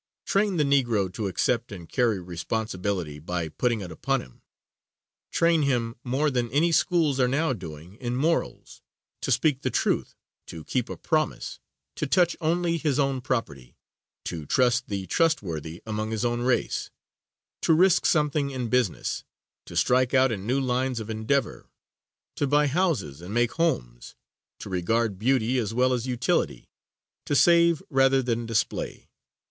Train the Negro to accept and carry responsibility by putting it upon him. Train him, more than any schools are now doing, in morals to speak the truth, to keep a promise, to touch only his own property, to trust the trustworthy among his own race, to risk something in business, to strike out in new lines of endeavor, to buy houses and make homes, to regard beauty as well as utility, to save rather than display.